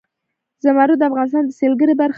زمرد د افغانستان د سیلګرۍ برخه ده.